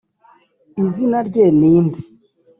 izina rye ni nde